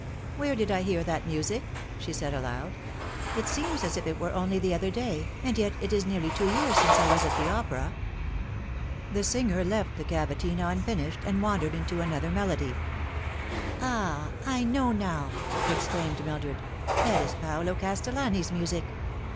" Where did I hear that music ?" she said aloud. " It seems as if it were only the other day, and yet it is nearly two years since I was at the opera." The singer left the cavatina unfinished, and wandered into another melody. " Ah, I know now !" exclaimed Mildred ;" that is Paolo Cas tellani's music